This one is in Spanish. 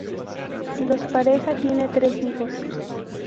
Los pareja tiene tres hijos.